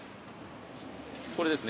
これですね。